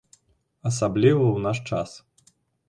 Асабліва ў наш час.